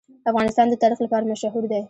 افغانستان د تاریخ لپاره مشهور دی.